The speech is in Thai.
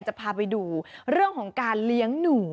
จะพาไปดูเรื่องของการเลี้ยงหนู